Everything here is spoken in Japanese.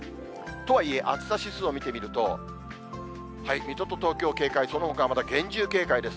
とはいえ暑さ指数を見てみると、水戸と東京、警戒、そのほかはまだ厳重警戒です。